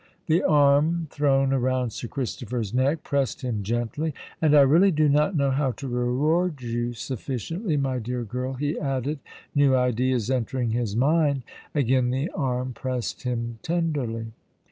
The arm thrown around Sir Christopher's neck pressed him gently. "And I really do not know how to reward you sufficiently, my dear girl," he added, new ideas entering his mind. Again the arm pressed him tenderly.